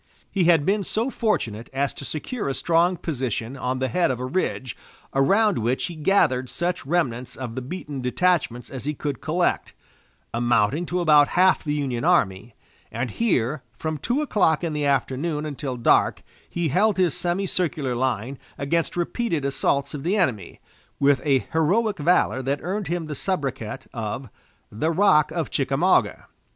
He had been so fortunate as to secure a strong position on the head of a ridge, around which he gathered such remnants of the beaten detachments as he could collect, amounting to about half the Union army, and here, from two o'clock in the afternoon until dark, he held his semicircular line against repeated assaults of the enemy, with a heroic valor that earned him the sobriquet of "The Rock of Chickamauga."